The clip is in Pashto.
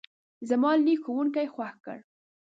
زما لیک ښوونکی خوښ کړ.